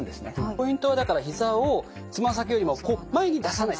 ポイントはだからひざをつま先よりも前に出さない。